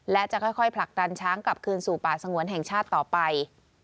และจะค่อยผลักดันช้างกลับคืนสู่ป่าสงวนแห่งชาติต่อไป